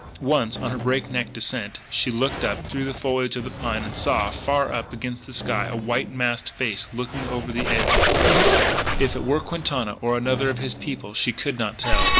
Once, on her breakneck descent, she looked up through the foliage of the pine; and she saw, far up against the sky, a white masked face looking over the edge of the precipice. But if it were Quintana or another of his people she could not tell.